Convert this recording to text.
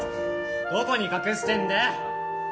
・どこに隠してんだよ！